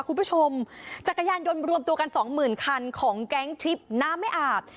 คุณผู้ชมจักรยานโดนรวมตัวกันสองหมื่นคันของแก๊งทริปน้ำไม่อาบ